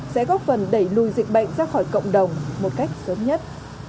sẽ góp phần đẩy lùi dịch bệnh ra khỏi cộng đồng một cách sớm nhất